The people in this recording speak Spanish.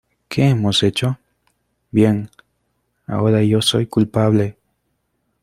¿ Qué hemos hecho? ¡ bien! ¡ ahora yo soy culpable !